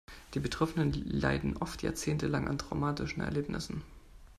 Die Betroffenen leiden oft jahrzehntelang an den traumatischen Erlebnissen.